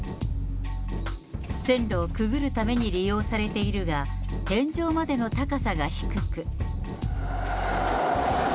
線路をくぐるために利用されているが、天井までの高さが低く。